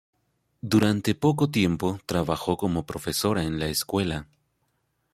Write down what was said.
Durante poco tiempo trabajó como profesora en la escuela.